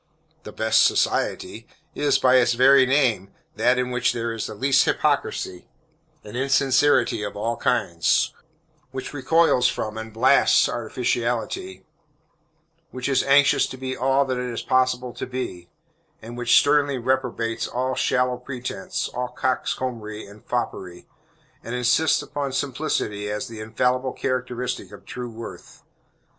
The "best society" is, by its very name, that in which there is the least hypocrisy and insincerity of all kinds, which recoils from, and blasts, artificiality, which is anxious to be all that it is possible to be, and which sternly reprobates all shallow pretense, all coxcombry and foppery, and insists upon simplicity as the infallible characteristic of true worth.